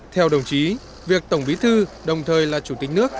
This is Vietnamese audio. theo đồng chí việc tổng bí thư đồng thời là chủ tịch nước